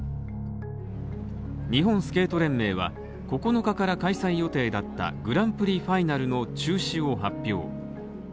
日本スケート連盟は９日から開催予定だったグランプリファイナルの中止を発表。